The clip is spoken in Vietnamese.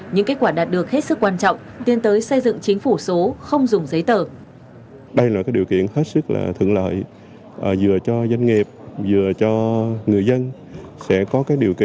những kết quả đạt được hết sức quan trọng tiến tới xây dựng chính phủ số